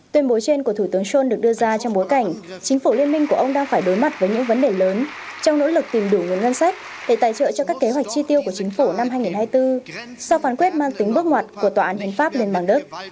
tuyên bố trên của thủ tướng sol được đưa ra trong bối cảnh chính phủ liên minh của ông đang phải đối mặt với những vấn đề lớn trong nỗ lực tìm đủ nguồn ngân sách để tài trợ cho các kế hoạch chi tiêu của chính phủ năm hai nghìn hai mươi bốn sau phán quyết mang tính bước ngoặt của tòa án hiến pháp liên bang đức